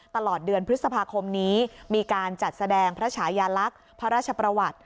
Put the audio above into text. ตลอดเดือนพฤษภาคมนี้มีการจัดแสดงพระชายาลักษณ์พระราชประวัติ